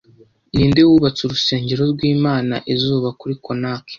Ninde wubatse urusengero rw'Imana izuba kuri Konark